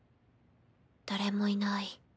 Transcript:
誰もいない。